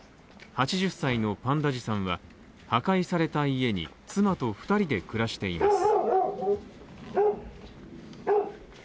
８０歳のパンダジさんは破壊された家に妻と２人で暮らしています。